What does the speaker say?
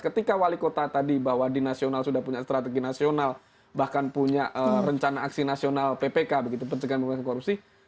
ketika wali kota tadi bahwa di nasional sudah punya strategi nasional bahkan punya rencana aksi nasional ppk begitu pencegahan pemberantasan korupsi